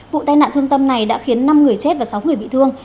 vụ tai nạn thương tâm này đã khiến năm người chết và sáu người bị thương